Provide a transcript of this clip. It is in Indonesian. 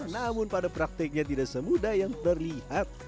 namun pada prakteknya tidak semudah yang terlihat